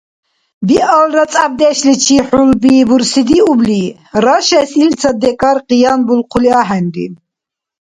Биалра цӀябдешличи хӀулби бурсидиубли, рашес илцад-декӀар къиянбулхъули ахӀенри.